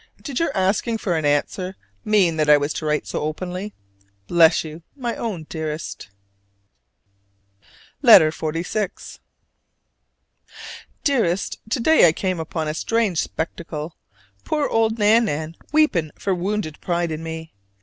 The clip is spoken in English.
Did your asking for an "answer" mean that I was to write so openly? Bless you, my own dearest. LETTER XLVI. Dearest: To day I came upon a strange spectacle: poor old Nan nan weeping for wounded pride in me.